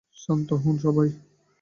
শান্ত হোন সবাই।